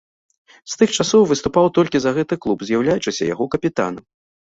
З тых часоў выступаў толькі за гэты клуб, з'яўляючыся яго капітанам.